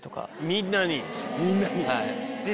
みんなに？